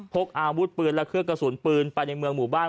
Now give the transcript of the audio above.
พกอาวุธปืนและเครื่องกระสุนปืนไปในเมืองหมู่บ้าน